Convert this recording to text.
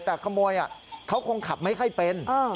แต่ขโมยเขาคงขับไม่ค่อยเป็น